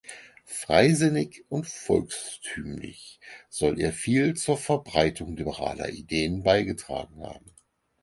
Freisinnig und volkstümlich soll er viel zur Verbreitung liberaler Ideen beigetragen haben.